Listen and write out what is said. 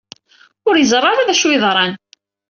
Ur yeẓri ara d acu ay yeḍran.